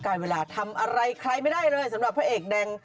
เวลาทำอะไรใครไม่ได้เลยสำหรับพระเอกแดง